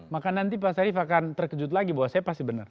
maka nanti pak sarif akan terkejut lagi bahwa saya pasti benar